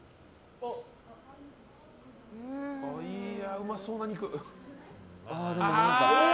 うまそうな肉。